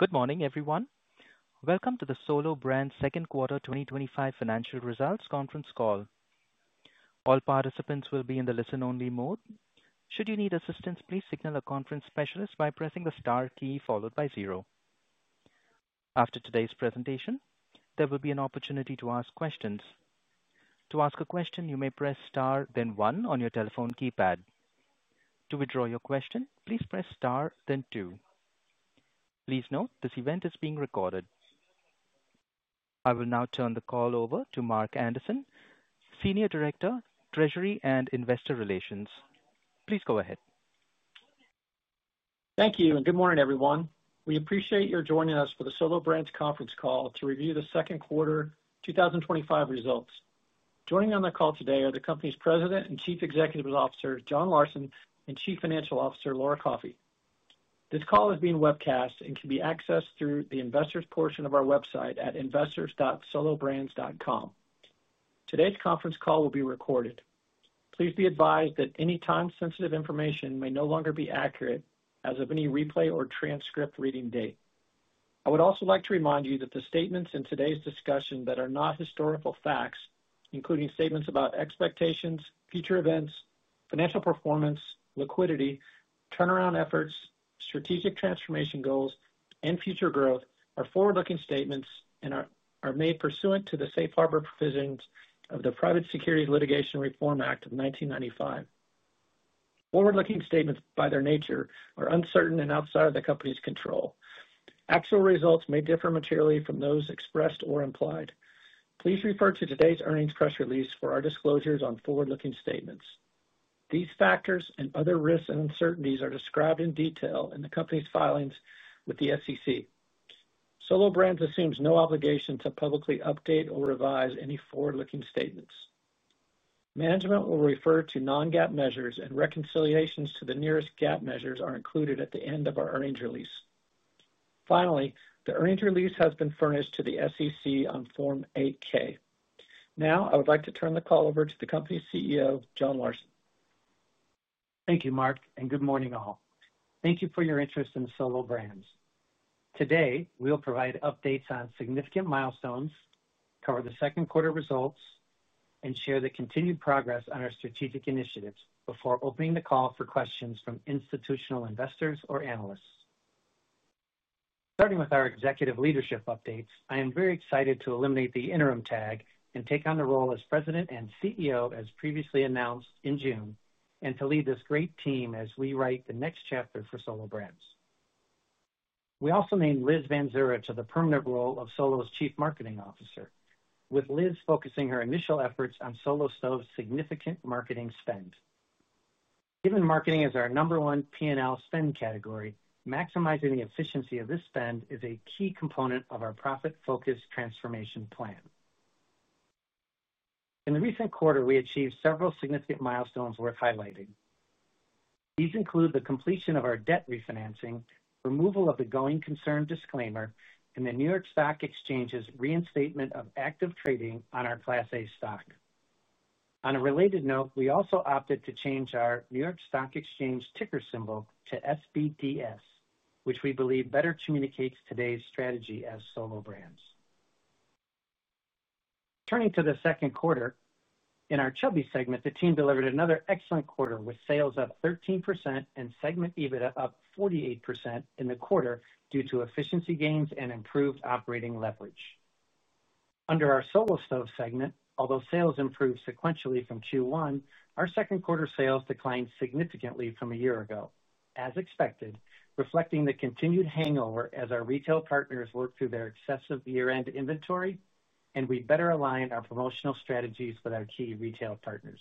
Good morning, everyone. Welcome to the Solo Brands Second Quarter 2025 Financial Results Conference call. All participants will be in the listen-only mode. Should you need assistance, please signal a conference specialist by pressing the STAR key followed by zero. After today's presentation, there will be an opportunity to ask questions. To ask a question, you may press STAR, then one on your telephone keypad. To withdraw your question, please press STAR, then two. Please note this event is being recorded. I will now turn the call over to Mark Anderson, Senior Director, Treasury and Investor Relations. Please go ahead. Thank you and good morning, everyone. We appreciate your joining us for the Solo Brands Conference call to review the second quarter 2025 results. Joining on the call today are the company's President and Chief Executive Officer, John Larson, and Chief Financial Officer, Laura Coffey. This call is being webcast and can be accessed through the Investors portion of our website at investors.solobrands.com. Today's conference call will be recorded. Please be advised that any time sensitive information may no longer be accurate as of any replay or transcript reading date. I would also like to remind you that the statements in today's discussion that are not historical facts, including statements about expectations, future events, financial performance, liquidity, turnaround efforts, strategic transformation goals, and future growth, are forward-looking statements and are made pursuant to the Safe Harbor provisions of the Private Securities Litigation Reform Act of 1995. Forward-looking statements, by their nature, are uncertain and outside of the company's control. Actual results may differ materially from those expressed or implied. Please refer to today's earnings press release for our disclosures on forward-looking statements. These factors and other risks and uncertainties are described in detail in the company's filings with the SEC. Solo Brands assumes no obligation to publicly update or revise any forward-looking statements. Management will refer to non-GAAP measures, and reconciliations to the nearest GAAP measures are included at the end of our earnings release. Finally, the earnings release has been furnished to the SEC on Form 8-K. Now, I would like to turn the call over to the company's CEO, John Larson. Thank you, Mark, and good morning all. Thank you for your interest in Solo Brands. Today, we'll provide updates on significant milestones, cover the second quarter results, and share the continued progress on our strategic initiatives before opening the call for questions from institutional investors or analysts. Starting with our executive leadership updates, I am very excited to eliminate the interim tag and take on the role as President and CEO, as previously announced in June, and to lead this great team as we write the next chapter for Solo Brands. We also named Liz Van Zuren to the permanent role of Solo's Chief Marketing Officer, with Liz focusing her initial efforts on Solo's significant marketing spend. Given marketing is our number one P&L spend category, maximizing the efficiency of this spend is a key component of our profit-focused transformation plan. In the recent quarter, we achieved several significant milestones worth highlighting. These include the completion of our debt refinancing, removal of the going concern disclaimer, and the New York Stock Exchange's reinstatement of active trading on our Class A stock. On a related note, we also opted to change our New York Stock Exchange ticker symbol to SBDS, which we believe better communicates today's strategy as Solo Brands. Turning to the second quarter, in our Chubbies segment, the team delivered another excellent quarter with sales up 13% and segment EBITDA up 48% in the quarter due to efficiency gains and improved operating leverage. Under our Solo Stove segment, although sales improved sequentially from Q1, our second quarter sales declined significantly from a year ago, as expected, reflecting the continued hangover as our retail partners work through their excessive year-end inventory and we better align our promotional strategies with our key retail partners.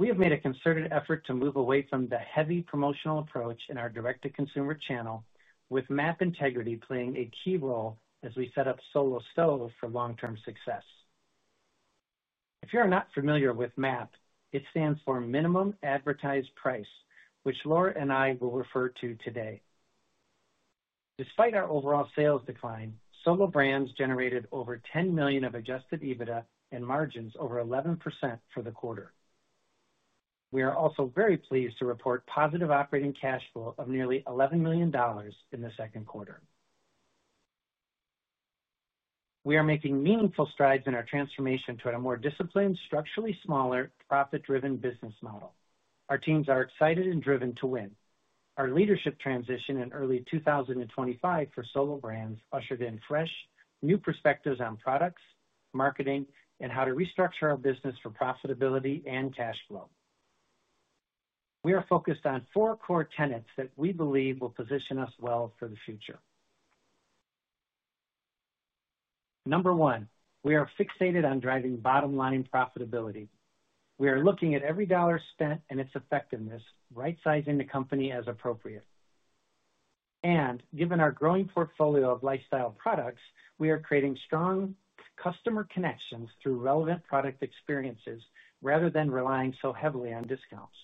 We have made a concerted effort to move away from the heavy promotional approach in our direct-to-consumer channel, with MAP integrity playing a key role as we set up Solo Stove for long-term success. If you are not familiar with MAP, it stands for Minimum Advertised Price, which Laura and I will refer to today. Despite our overall sales decline, Solo Brands generated over $10 million of adjusted EBITDA and margins over 11% for the quarter. We are also very pleased to report positive operating cash flow of nearly $11 million in the second quarter. We are making meaningful strides in our transformation toward a more disciplined, structurally smaller, profit-driven business model. Our teams are excited and driven to win. Our leadership transition in early 2025 for Solo Brands ushered in fresh, new perspectives on products, marketing, and how to restructure our business for profitability and cash flow. We are focused on four core tenets that we believe will position us well for the future. Number one, we are fixated on driving bottom-line profitability. We are looking at every dollar spent and its effectiveness, right-sizing the company as appropriate. Given our growing portfolio of lifestyle products, we are creating strong customer connections through relevant product experiences rather than relying so heavily on discounts.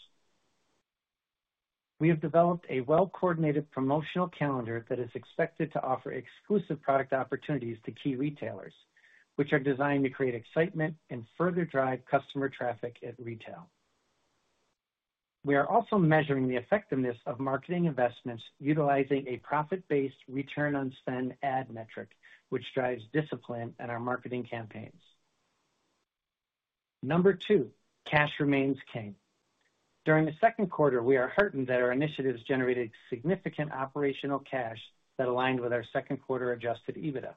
We have developed a well-coordinated promotional calendar that is expected to offer exclusive product opportunities to key retailers, which are designed to create excitement and further drive customer traffic at retail. We are also measuring the effectiveness of marketing investments utilizing a profit-based return on spend ad metric, which drives discipline at our marketing campaigns. Number two, cash remains king. During the second quarter, we are heartened that our initiatives generated significant operational cash that aligned with our second quarter adjusted EBITDA.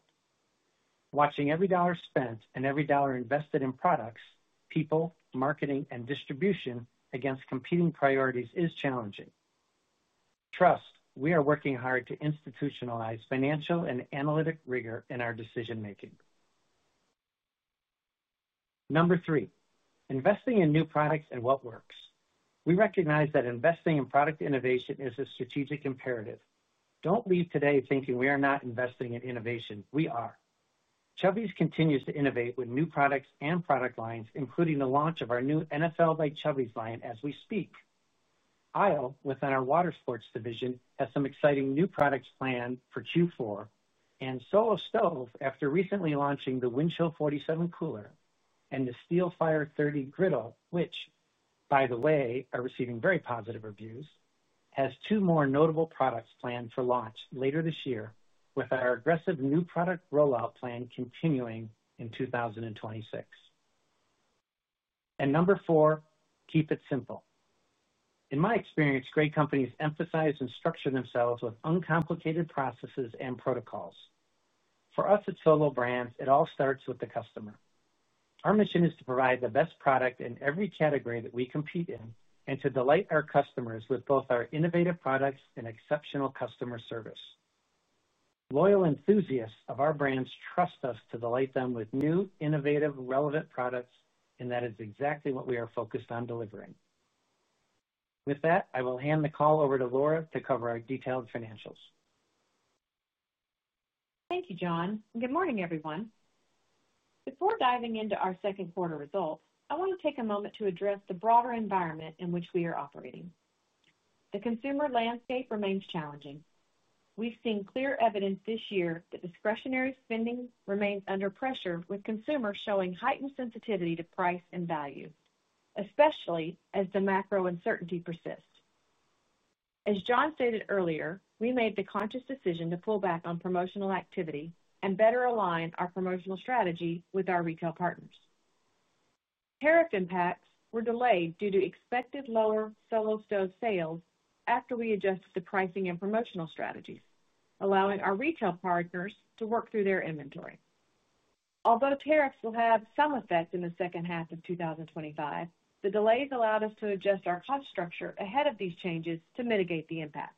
Watching every dollar spent and every dollar invested in products, people, marketing, and distribution against competing priorities is challenging. Trust, we are working hard to institutionalize financial and analytic rigor in our decision-making. Number three, investing in new products and what works. We recognize that investing in product innovation is a strategic imperative. Don't leave today thinking we are not investing in innovation. We are. Chubbies continues to innovate with new products and product lines, including the launch of our new NFL by Chubbies line as we speak. Aisle, within our water sports division, has some exciting new products planned for Q4, and Solo Stove, after recently launching the Windchill 47 cooler and the Steel Fire 30 griddle, which, by the way, are receiving very positive reviews, has two more notable products planned for launch later this year, with our aggressive new product rollout plan continuing in 2026. Number four, keep it simple. In my experience, great companies emphasize and structure themselves with uncomplicated processes and protocols. For us at Solo Brands, it all starts with the customer. Our mission is to provide the best product in every category that we compete in and to delight our customers with both our innovative products and exceptional customer service. Loyal enthusiasts of our brands trust us to delight them with new, innovative, relevant products, and that is exactly what we are focused on delivering. With that, I will hand the call over to Laura to cover our detailed financials. Thank you, John. Good morning, everyone. Before diving into our second quarter results, I want to take a moment to address the broader environment in which we are operating. The consumer landscape remains challenging. We've seen clear evidence this year that discretionary spending remains under pressure, with consumers showing heightened sensitivity to price and value, especially as the macro uncertainty persists. As John stated earlier, we made the conscious decision to pull back on promotional activity and better align our promotional strategy with our retail partners. Tariff impacts were delayed due to expected lower Solo Stove sales after we adjusted the pricing and promotional strategies, allowing our retail partners to work through their inventory. Although tariffs will have some effect in the second half of 2025, the delays allowed us to adjust our cost structure ahead of these changes to mitigate the impact.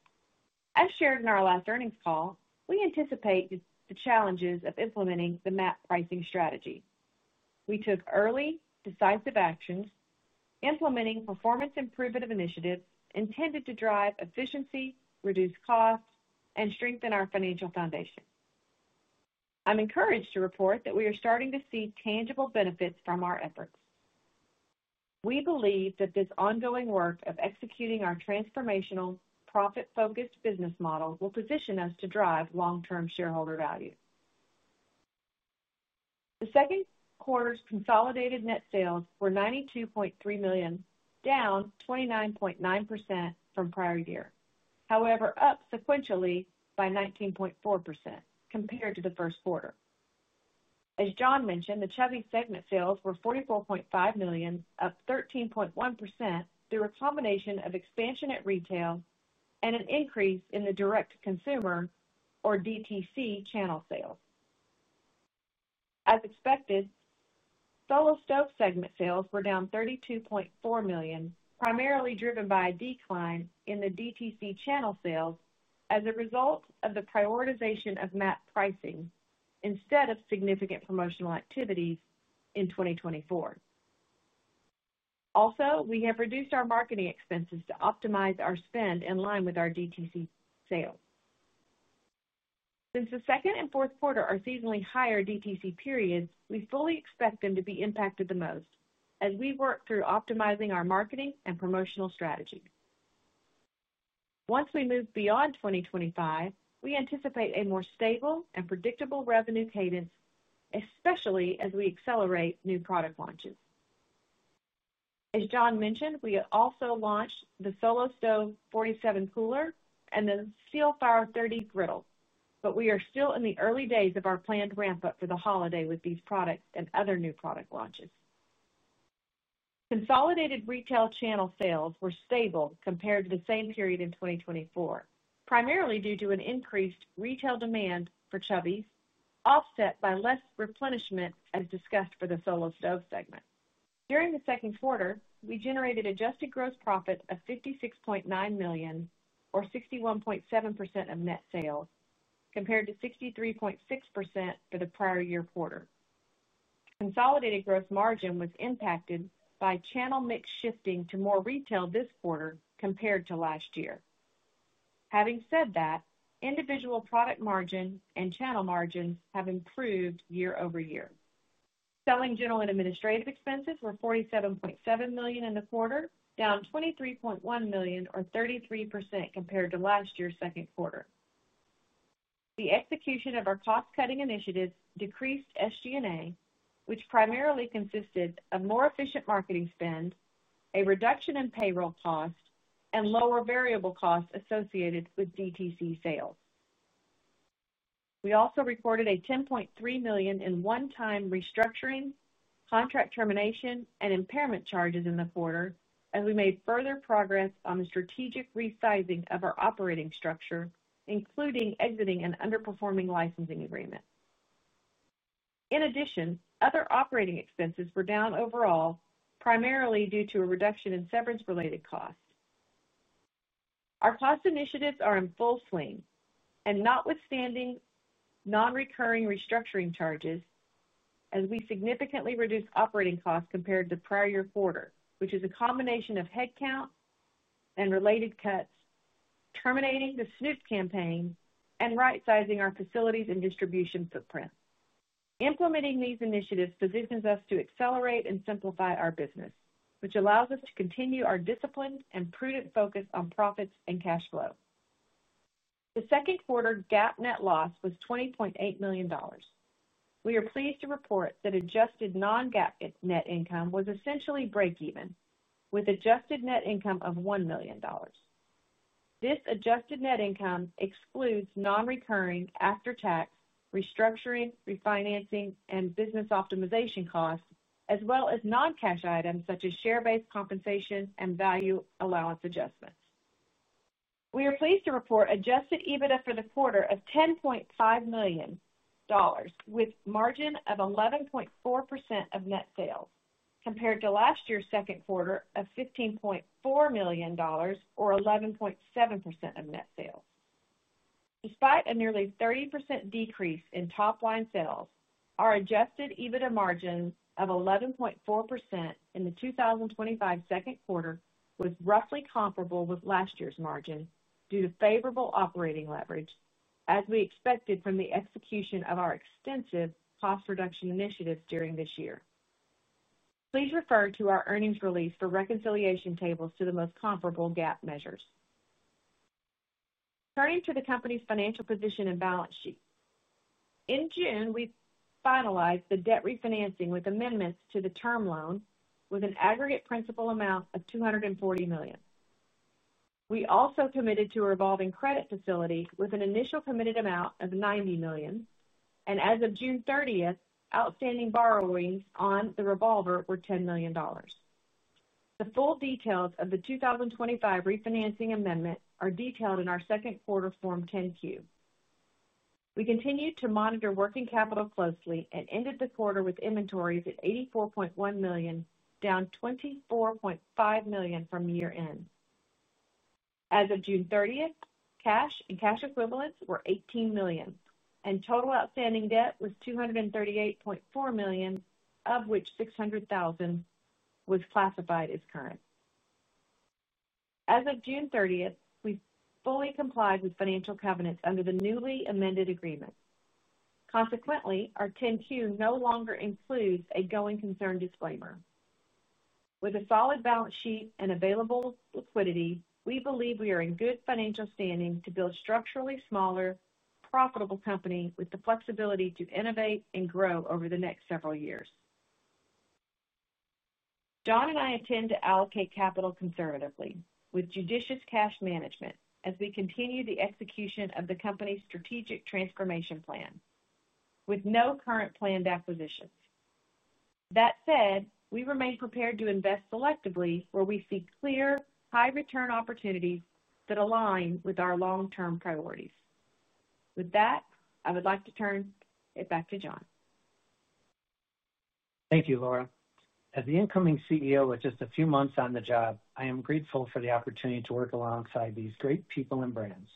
As shared in our last earnings call, we anticipate the challenges of implementing the MAP integrity pricing strategy. We took early, decisive actions, implementing performance-improving initiatives intended to drive efficiency, reduce costs, and strengthen our financial foundation. I'm encouraged to report that we are starting to see tangible benefits from our efforts. We believe that this ongoing work of executing our transformational, profit-focused business model will position us to drive long-term shareholder value. The second quarter's consolidated net sales were $92.3 million, down 29.9% from prior year, however, up sequentially by 19.4% compared to the first quarter. As John mentioned, the Chubbies segment sales were $44.5 million, up 13.1% through a combination of expansion at retail and an increase in the direct-to-consumer, or DTC, channel sales. As expected, Solo Stove segment sales were down to $32.4 million, primarily driven by a decline in the DTC channel sales as a result of the prioritization of MAP integrity pricing instead of significant promotional activities in 2024. Also, we have reduced our marketing expenses to optimize our spend in line with our DTC sales. Since the second and fourth quarter are seasonally higher DTC periods, we fully expect them to be impacted the most as we work through optimizing our marketing and promotional strategy. Once we move beyond 2025, we anticipate a more stable and predictable revenue cadence, especially as we accelerate new product launches. As John mentioned, we also launched the Solo Stove Windchill 47 cooler and the Steel Fire 30 griddle, but we are still in the early days of our planned ramp-up for the holiday with these products and other new product launches. Consolidated retail channel sales were stable compared to the same period in 2024, primarily due to an increased retail demand for Chubbies, offset by less replenishment as discussed for the Solo Stove segment. During the second quarter, we generated adjusted gross profit of $56.9 million, or 61.7% of net sales, compared to 63.6% for the prior year quarter. Consolidated gross margin was impacted by channel mix shifting to more retail this quarter compared to last year. Having said that, individual product margin and channel margins have improved year over year. Selling, general, and administrative expenses were $47.7 million in the quarter, down $23.1 million, or 33%, compared to last year's second quarter. The execution of our cost-cutting initiatives decreased SG&A, which primarily consisted of more efficient marketing spend, a reduction in payroll cost, and lower variable costs associated with DTC sales. We also reported $10.3 million in one-time restructuring, contract termination, and impairment charges in the quarter as we made further progress on the strategic resizing of our operating structure, including exiting an underperforming licensing agreement. In addition, other operating expenses were down overall, primarily due to a reduction in severance-related costs. Our cost initiatives are in full swing and notwithstanding non-recurring restructuring charges as we significantly reduce operating costs compared to the prior year quarter, which is a combination of headcount and related cuts, terminating the snooze campaign, and right-sizing our facilities and distribution footprint. Implementing these initiatives positions us to accelerate and simplify our business, which allows us to continue our disciplined and prudent focus on profits and cash flow. The second quarter GAAP net loss was $20.8 million. We are pleased to report that adjusted non-GAAP net income was essentially break-even, with adjusted net income of $1 million. This adjusted net income excludes non-recurring after-tax restructuring, refinancing, and business optimization costs, as well as non-cash items such as share-based compensation and value allowance adjustments. We are pleased to report adjusted EBITDA for the quarter of $10.5 million, with a margin of 11.4% of net sales compared to last year's second quarter of $15.4 million, or 11.7% of net sales. Despite a nearly 30% decrease in top-line sales, our adjusted EBITDA margin of 11.4% in the 2025 second quarter was roughly comparable with last year's margin due to favorable operating leverage, as we expected from the execution of our extensive cost reduction initiatives during this year. Please refer to our earnings release for reconciliation tables to the most comparable GAAP measures. Turning to the company's financial position and balance sheet, in June, we finalized the debt refinancing with amendments to the term loan with an aggregate principal amount of $240 million. We also committed to a revolving credit facility with an initial committed amount of $90 million, and as of June 30th, outstanding borrowings on the revolver were $10 million. The full details of the 2025 refinancing amendment are detailed in our second quarter Form 10Q. We continued to monitor working capital closely and ended the quarter with inventories at $84.1 million, down $24.5 million from year-end. As of June 30th, cash and cash equivalents were $18 million, and total outstanding debt was $238.4 million, of which $600,000 was classified as current. As of June 30th, we fully complied with financial covenants under the newly amended agreement. Consequently, our 10Q no longer includes a going concern disclaimer. With a solid balance sheet and available liquidity, we believe we are in good financial standing to build a structurally smaller, profitable company with the flexibility to innovate and grow over the next several years. John and I intend to allocate capital conservatively with judicious cash management as we continue the execution of the company's strategic transformation plan, with no current planned acquisitions. That said, we remain prepared to invest selectively where we see clear, high-return opportunities that align with our long-term priorities. With that, I would like to turn it back to John. Thank you, Laura. As the incoming CEO with just a few months on the job, I am grateful for the opportunity to work alongside these great people and brands.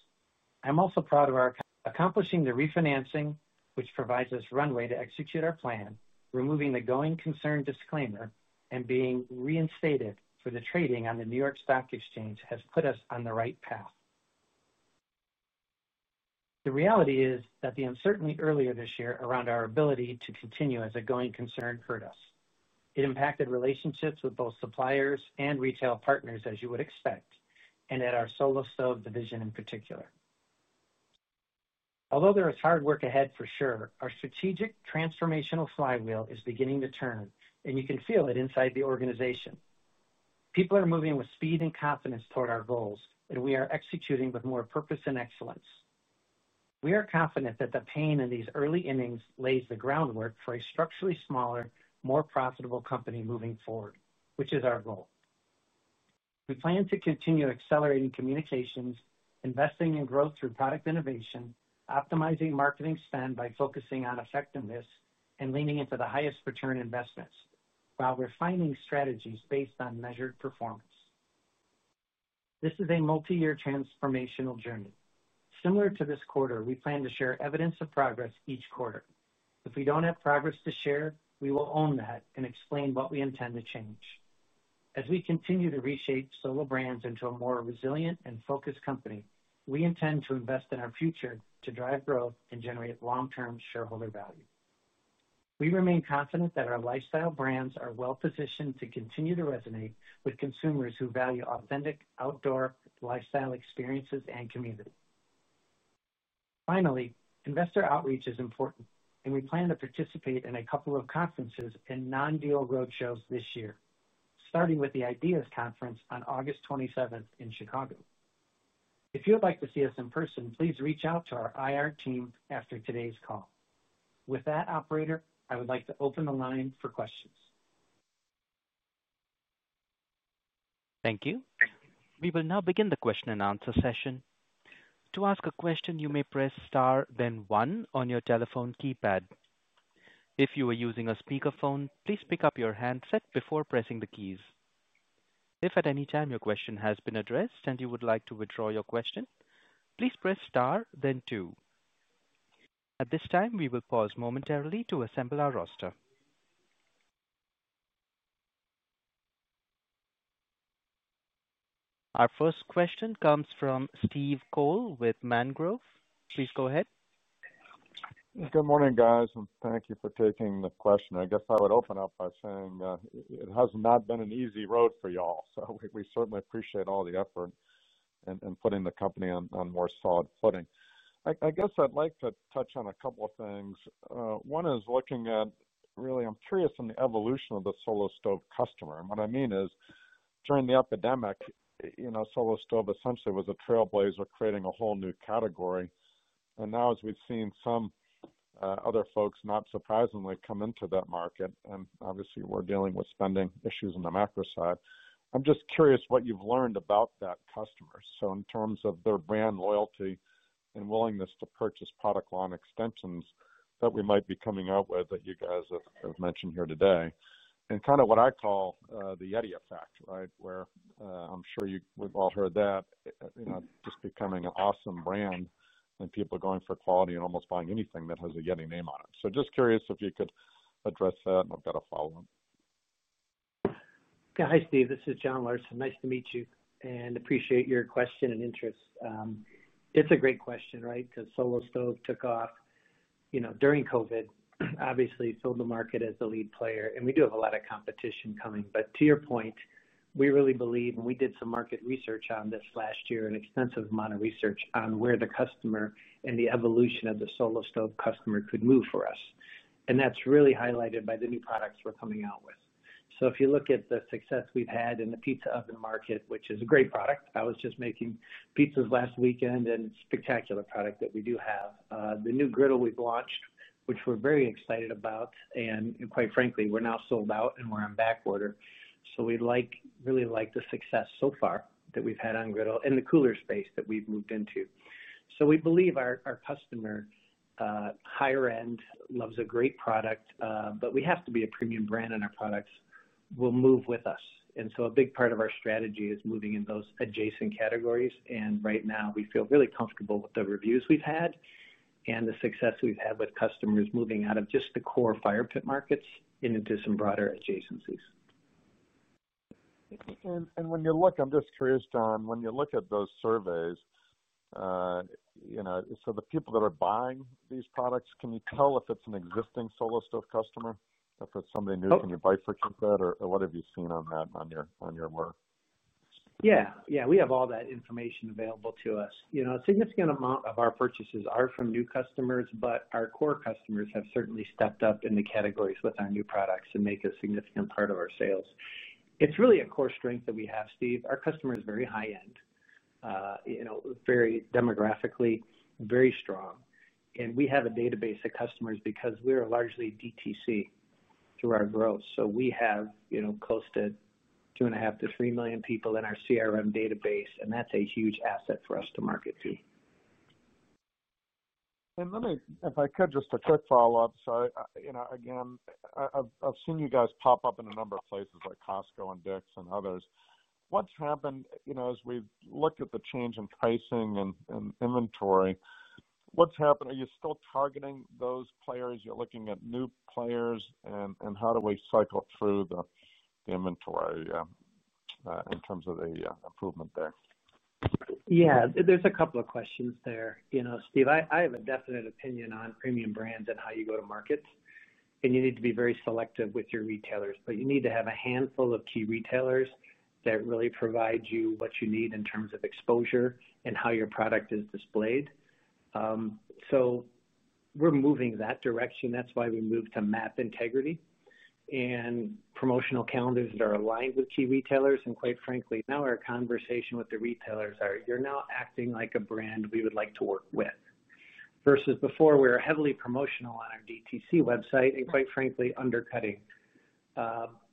I'm also proud of our accomplishment in the refinancing, which provides us runway to execute our plan, removing the going concern disclaimer and being reinstated for the trading on the New York Stock Exchange has put us on the right path. The reality is that the uncertainty earlier this year around our ability to continue as a going concern hurt us. It impacted relationships with both suppliers and retail partners, as you would expect, and at our Solo Stove division in particular. Although there is hard work ahead for sure, our strategic transformational flywheel is beginning to turn, and you can feel it inside the organization. People are moving with speed and confidence toward our goals, and we are executing with more purpose and excellence. We are confident that the pain in these early innings lays the groundwork for a structurally smaller, more profitable company moving forward, which is our goal. We plan to continue accelerating communications, investing in growth through product innovation, optimizing marketing spend by focusing on effectiveness, and leaning into the highest return investments while refining strategies based on measured performance. This is a multi-year transformational journey. Similar to this quarter, we plan to share evidence of progress each quarter. If we don't have progress to share, we will own that and explain what we intend to change. As we continue to reshape Solo Brands into a more resilient and focused company, we intend to invest in our future to drive growth and generate long-term shareholder value. We remain confident that our lifestyle brands are well-positioned to continue to resonate with consumers who value authentic outdoor lifestyle experiences and community. Finally, investor outreach is important, and we plan to participate in a couple of conferences and non-deal roadshows this year, starting with the Ideas Conference on August 27th in Chicago. If you would like to see us in person, please reach out to our IR team after today's call. With that, operator, I would like to open the line for questions. Thank you. We will now begin the question and answer session. To ask a question, you may press STAR, then one on your telephone keypad. If you are using a speakerphone, please pick up your handset before pressing the keys. If at any time your question has been addressed and you would like to withdraw your question, please press STAR, then two. At this time, we will pause momentarily to assemble our roster. Our first question comes from Steve Cole with Mangrove. Please go ahead. Good morning, guys, and thank you for taking the question. I guess I would open up by saying it has not been an easy road for you all, so we certainly appreciate all the effort in putting the company on more solid footing. I guess I'd like to touch on a couple of things. One is looking at, really, I'm curious in the evolution of the Solo Stove customer. What I mean is, during the epidemic, you know, Solo Stove essentially was a trailblazer, creating a whole new category. Now, as we've seen some other folks, not surprisingly, come into that market, and obviously we're dealing with spending issues on the macro side, I'm just curious what you've learned about that customer. In terms of their brand loyalty and willingness to purchase product line extensions that we might be coming out with that you guys have mentioned here today, and kind of what I call the Yeti effect, right, where I'm sure you've all heard that, you know, just becoming an awesome brand and people going for quality and almost buying anything that has a Yeti name on it. Just curious if you could address that and I've got a follow-up. Hi, Steve. This is John Larson. Nice to meet you and appreciate your question and interest. It's a great question, right, because Solo Stove took off during COVID, obviously filled the market as the lead player, and we do have a lot of competition coming. To your point, we really believe, and we did some market research on this last year, an extensive amount of research on where the customer and the evolution of the Solo Stove customer could move for us. That's really highlighted by the new products we're coming out with. If you look at the success we've had in the pizza oven market, which is a great product, I was just making pizzas last weekend, and it's a spectacular product that we do have. The new griddle we've launched, which we're very excited about, and quite frankly, we're now sold out and we're on back order. We really like the success so far that we've had on griddle and the cooler space that we've moved into. We believe our customer, higher end, loves a great product, but we have to be a premium brand and our products will move with us. A big part of our strategy is moving in those adjacent categories. Right now, we feel really comfortable with the reviews we've had and the success we've had with customers moving out of just the core fire pit markets into some broader adjacencies. When you look at those surveys, I'm just curious, John, the people that are buying these products, can you tell if it's an existing Solo Stove customer? If it's somebody new, can you bifurcate that? What have you seen on that and on your work? Yeah, we have all that information available to us. You know, a significant amount of our purchases are from new customers, but our core customers have certainly stepped up in the categories with our new products and make a significant part of our sales. It's really a core strength that we have, Steve. Our customer is very high-end, you know, very demographically, very strong. We have a database of customers because we are largely DTC through our growth. We have close to 2.5-3 million people in our CRM database, and that's a huge asset for us to market to. Let me, if I could, just a quick follow-up. You know, I've seen you guys pop up in a number of places like Costco and Dick's and others. What's happened, you know, as we look at the change in pricing and inventory, what's happened? Are you still targeting those players? You're looking at new players and how do we cycle through the inventory in terms of the improvement there? Yeah, there's a couple of questions there. You know, Steve, I have a definite opinion on premium brands and how you go to markets, and you need to be very selective with your retailers, but you need to have a handful of key retailers that really provide you what you need in terms of exposure and how your product is displayed. We're moving that direction. That's why we moved to MAP integrity and promotional calendars that are aligned with key retailers. Quite frankly, now our conversation with the retailers is you're now acting like a brand we would like to work with versus before, we're heavily promotional on our DTC website and quite frankly, undercutting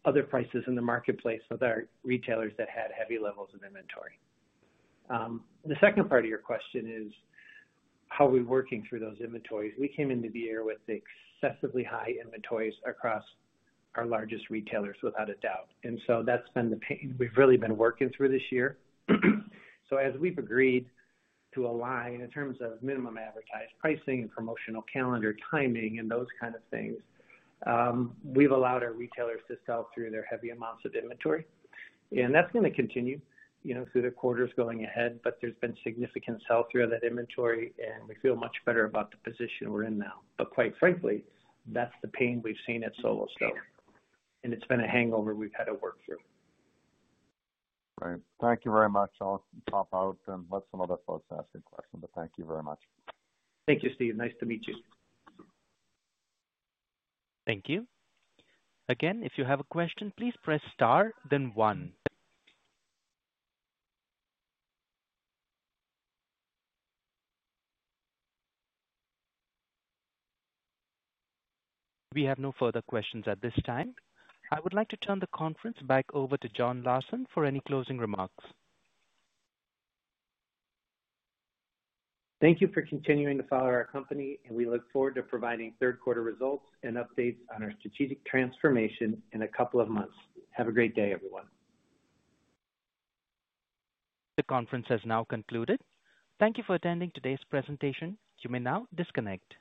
other prices in the marketplace with our retailers that had heavy levels of inventory. The second part of your question is how are we working through those inventories? We came into the year with excessively high inventories across our largest retailers, without a doubt. That's been the pain we've really been working through this year. As we've agreed to align in terms of minimum advertised pricing and promotional calendar timing and those kind of things, we've allowed our retailers to sell through their heavy amounts of inventory. That's going to continue through the quarters going ahead, but there's been significant sell-through of that inventory, and we feel much better about the position we're in now. Quite frankly, that's the pain we've seen at Solo Stove, and it's been a hangover we've had to work through. Right. Thank you very much. I'll pop out and let some other folks ask a question, but thank you very much. Thank you, Steve. Nice to meet you. Thank you. Again, if you have a question, please press STAR, then one. We have no further questions at this time. I would like to turn the conference back over to John Larson for any closing remarks. Thank you for continuing to follow our company, and we look forward to providing third quarter results and updates on our strategic transformation in a couple of months. Have a great day, everyone. The conference has now concluded. Thank you for attending today's presentation. You may now disconnect.